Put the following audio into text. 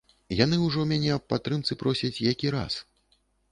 Яны ўжо мяне аб падтрымцы просяць які раз.